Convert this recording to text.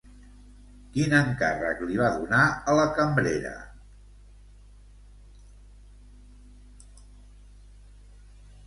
Quin encàrrec li va donar a la cambrera?